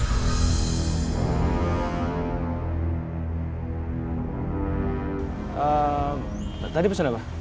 eh tadi pesen apa